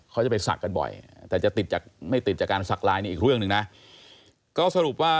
เค้าจะไปสักกันบ่อยแต่จะไม่ติดจากการสักลายเนี่ยอีกเรื่องหนึ่งนะ